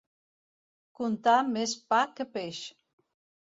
Contar més pa que peix.